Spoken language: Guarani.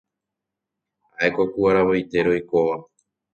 Ha'éko ku aravoitére oikóva.